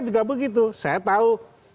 juga begitu saya tahu